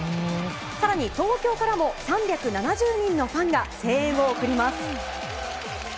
更に東京からも３７０人のファンが声援を送ります。